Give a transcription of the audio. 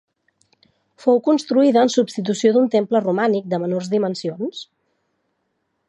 Fou construïda en substitució d'un temple romànic de menors dimensions.